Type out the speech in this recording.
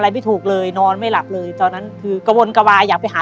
ไม่ถูกเลยนอนไม่หลับเลยตอนนั้นคือกระวนกระวายอยากไปหา